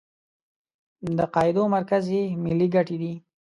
د قاعدو مرکز یې ملي ګټې دي.